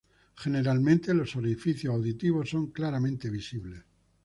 Generalmente, los orificios auditivos son claramente visibles.